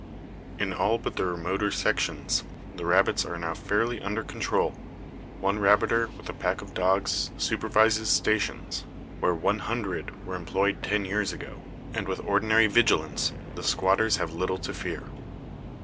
In all but the remoter sections the rabbits are now fairly under control; one rabbiter with a pack of dogs supervises stations where one hundred were employed ten years ago, and with ordinary vigilance the squatters have little to fear.